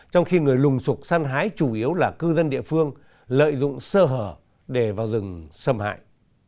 trong khi người lùng sụp săn hái chủ yếu là cư dân địa phương lợi dụng sơ hở để vào rừng xâm hại